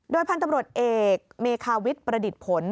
พันธุ์ตำรวจเอกเมคาวิทย์ประดิษฐ์ผล